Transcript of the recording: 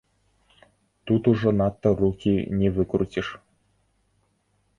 Тут ужо надта рукі не выкруціш.